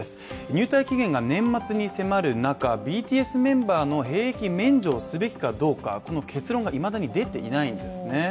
入隊期限が年末に迫る中、ＢＴＳメンバーの兵役免除をすべきかどうかこの結論がいまだに出ていないんですね。